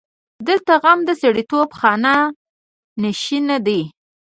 دلته غم د سړیتوب خانه نشین دی.